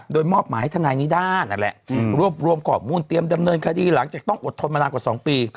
โดยมอบหมายให้ทนายนิด้านั่นแหละรวบรวมข้อมูลเตรียมดำเนินคดีหลังจากต้องอดทนมานานกว่า๒ปี